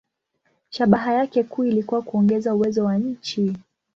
Shabaha yake kuu ilikuwa kuongeza uwezo wa nchi.